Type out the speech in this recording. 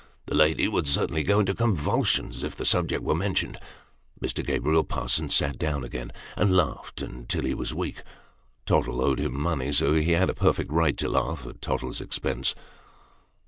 The lady would certainly go into convulsions if the subject were mentioned." Mr. Gabriel Parsons sat down again, and laughed until he was weak. Tottle owed him money, so he had a perfect right to laugh at Tottle's expense.